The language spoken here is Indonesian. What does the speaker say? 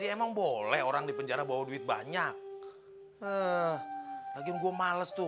lu gimana sih emang boleh orang dipenjara bawa duit banyak breakout males tuh